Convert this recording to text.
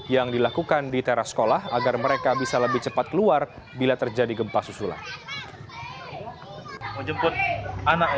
yang dilakukan di teras sekolah agar mereka bisa lebih cepat keluar bila terjadi gempa susulan